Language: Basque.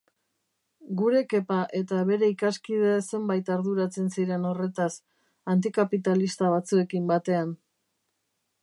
Gure Kepa eta bere ikaskide zenbait arduratzen ziren horretaz, antikapitalista batzuekin batean.